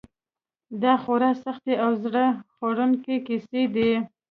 دا خورا سختې او زړه خوړونکې کیسې دي.